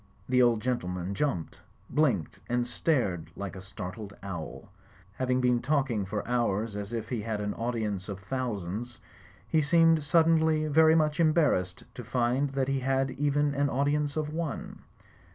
The old gentleman jumped, blinked and stared like a startled owl. Having been talking for hours as if he had an audience of thousands, he seemed suddenly very much embarrassed to find that he had even an audience of one.